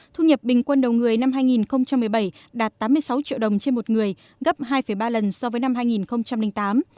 thu nhập bình quân đầu người năm hai nghìn một mươi bảy đạt tám mươi sáu triệu đồng trên một người gấp hai ba lần so với năm hai nghìn tám